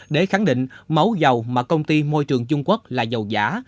để khẳng định máu dầu mà công ty môi trường trung quốc là dầu giả